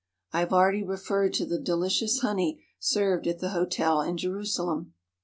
I have already referred to the delicious honey served at the hotel in Jerusalem.